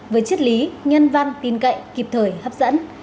với chất lý nhân văn tin cậy kịp thời hấp dẫn